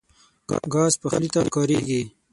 ګاز پخلي ته کارېږي.